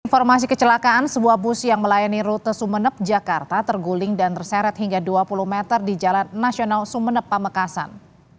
informasi kecelakaan sebuah bus yang melayani rute sumeneb jakarta terguling dan terseret hingga dua puluh meter di jalan nasional sumeneb pamekasan